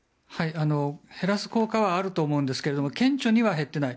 減らす効果はあると思うんですけど顕著には減っていない。